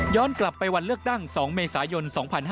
กลับไปวันเลือกตั้ง๒เมษายน๒๕๕๙